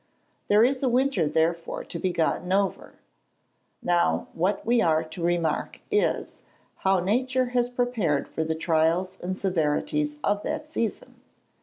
There is a winter therefore to be gotten over. Now what we are to remark is, how nature has prepared for the trials and severities of that season.